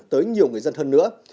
tới nhiều người dân hơn nữa